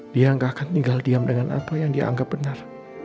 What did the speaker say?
dia nggak akan tinggal diam dengan apa yang dianggap benar